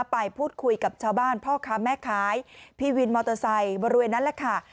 ไปพูดคุยกับชาวบ้านพ่อค้าแม่ค้าพี่วินมอเตอร์ไซค์บริเวณนั้นแหละค่ะ